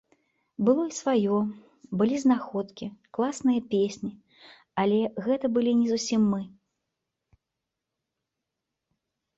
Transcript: Было і сваё, былі знаходкі, класныя песні, але гэта былі не зусім мы.